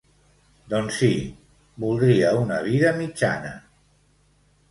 Doncs sí, voldria una vida mitjana.